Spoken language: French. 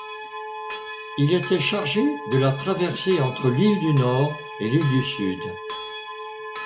Il était chargé de la traversée entre l'île du Nord et l'île du Sud.